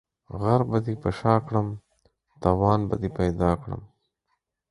غر به دي په شاکړم ، توان به دي پيدا کړم.